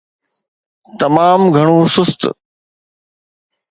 تمام گهڻو سست.